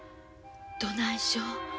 どないしょ。